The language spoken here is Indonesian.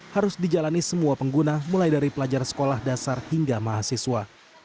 harus dijalani semua pengguna mulai dari pelajar sekolah dasar hingga mahasiswa